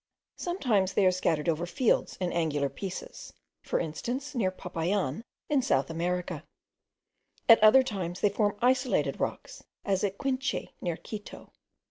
Sometimes they are scattered over the fields in angular pieces; for instance, near Popayan, in South America; at other times they form isolated rocks, as at Quinche, near Quito.